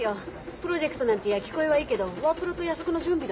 プロジェクトなんて言や聞こえはいいけどワープロと夜食の準備だもん。